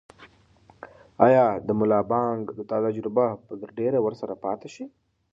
آیا د ملا بانګ دا تجربه به تر ډېره ورسره پاتې شي؟